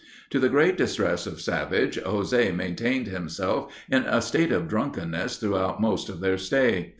To the great distress of Savage, José maintained himself in a state of drunkenness throughout most of their stay.